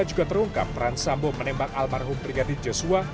juga terungkap peran sambo menembak almarhum brigadir joshua